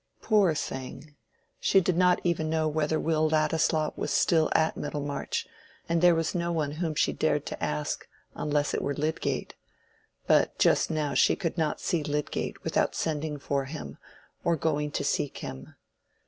Poor thing! she did not even know whether Will Ladislaw was still at Middlemarch, and there was no one whom she dared to ask, unless it were Lydgate. But just now she could not see Lydgate without sending for him or going to seek him.